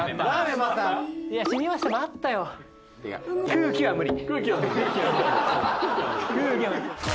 空気は無理。